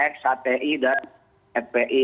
x hti dan fpi